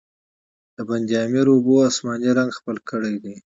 د بند امیر اوبو، آسماني رنګ خپل کړی دی.